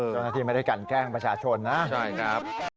เจ้าหน้าที่ไม่ได้กันแกล้งประชาชนนะใช่ครับ